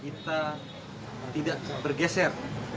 kita tidak bergeser